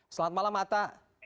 selamat malam atta